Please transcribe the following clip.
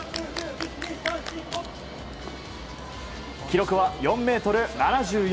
記録は４ｍ７４。